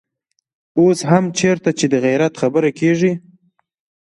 اوس هم چېرته چې د غيرت خبره کېږي.